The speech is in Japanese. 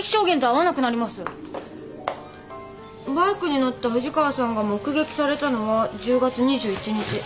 バイクに乗った藤川さんが目撃されたのは１０月２１日。